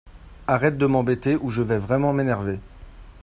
Arrête de m'embêter ou je vais vraiment m'énerver